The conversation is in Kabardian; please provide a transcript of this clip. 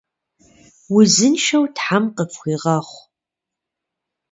Узыншэу тхьэм къыфхуигъэхъу!